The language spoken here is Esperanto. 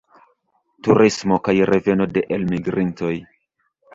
Turismo kaj reveno de elmigrintoj.